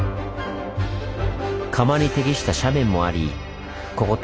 窯に適した斜面もありここ